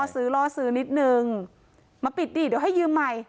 ซื้อล่อซื้อนิดนึงมาปิดดิเดี๋ยวให้ยืมใหม่